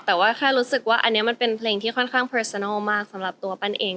แต่ว่าแค่รู้สึกว่าอันนี้มันเป็นเพลงที่ค่อนข้างเริสนัลมากสำหรับตัวปั้นเอง